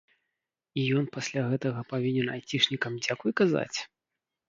І ён пасля гэтага павінен айцішнікам дзякуй казаць?